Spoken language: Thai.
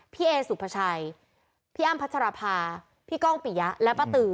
พี่เอด้อสุขพระชัยพี่อ้อมพัจรภาพี่ก้องกี่ยะและป้าตือ